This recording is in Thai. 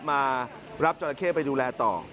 มารับจราเข้ไปดูแลต่อ